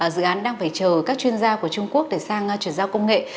dự án đang phải chờ các chuyên gia của trung quốc để sang chuyển giao công nghệ